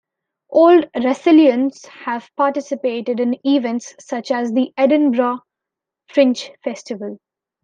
Old Russellians have participated in events such as the Edinburgh Fringe Festival.